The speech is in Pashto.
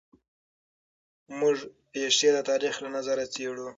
موږ پېښې د تاریخ له نظره څېړو.